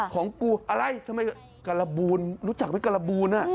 ของกูอะไรทำไมการบูนรู้จักไหมการบูน